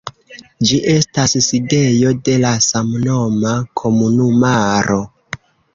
Ĝi estas sidejo de la samnoma komunumaro.